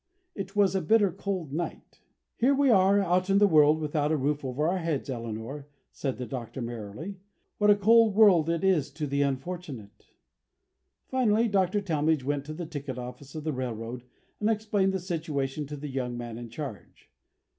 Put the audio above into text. It was a bitter cold night. "Here we are out in the world without a roof over our heads, Eleanor," said the Doctor, merrily. "What a cold world it is to the unfortunate." Finally Dr. Talmage went to the ticket office of the railroad and explained the situation to the young man in charge.